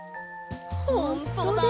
ほんとだ。